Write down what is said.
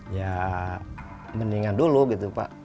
ya mendingan dulu gitu pak